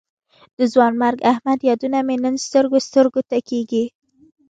د ځوانمرګ احمد یادونه مې نن سترګو سترګو ته کېږي.